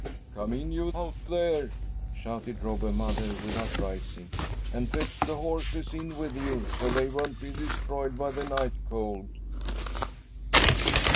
"Come in, you out there!" shouted Robber Mother without rising, "and fetch the horses in with you, so they won't be destroyed by the night cold."